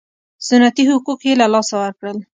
سنتي حقوق یې له لاسه ورکړل.